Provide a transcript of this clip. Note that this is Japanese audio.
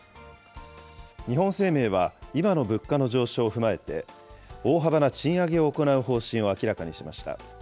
日本生命は、今の物価の上昇を踏まえて、大幅な賃上げを行う方針を明らかにしました。